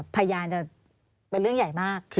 พยานจะเป็นเรื่องใหญ่มาก